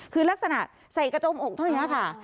คือลักษณะใส่กระจมอกเท่านี้ค่ะ